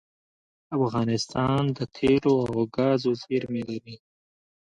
افغانستان د تیلو او ګازو زیرمې لري